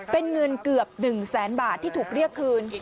เป็นเงินเกือบ๑แสนบาทที่ถูกเรียกคืน